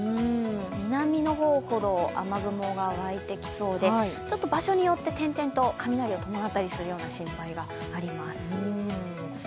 南の方ほど雨雲が湧いてきそうで、場所によって点々と雷を伴ったりする心配があります。